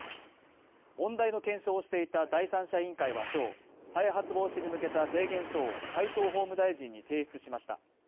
問題の検証をしていた第三者委員会は今日再発防止に向けた提言書を斎藤法務大臣に提出しました。